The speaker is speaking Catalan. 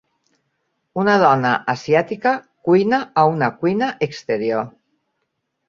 Una dona asiàtica cuina a una cuina exterior.